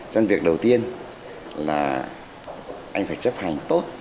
trong việc đầu tiên là anh phải chấp hành tốt